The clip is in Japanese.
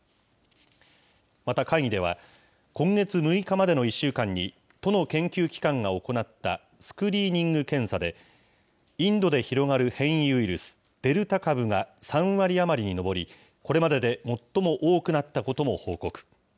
また会議では、今月６日までの１週間に、都の研究機関が行ったスクリーニング検査で、インドで広がる変異ウイルス、デルタ株が３割余りに上り、これまでで最も多くなったことも報告。